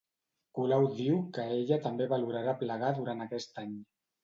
Colau diu que ella també valorarà plegar durant aquest any.